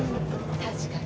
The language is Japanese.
確かにね。